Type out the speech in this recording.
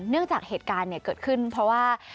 จากเหตุการณ์เกิดขึ้นเพราะว่า